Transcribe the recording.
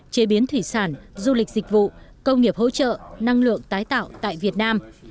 chế biến thủy sản du lịch dịch vụ công nghiệp hỗ trợ năng lượng tái tạo tại việt nam